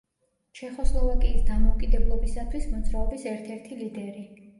ჩეხოსლოვაკიის დამოუკიდებლობისათვის მოძრაობის ერთ-ერთი ლიდერი.